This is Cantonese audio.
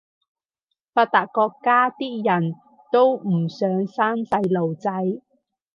發達國家啲人都唔想生細路仔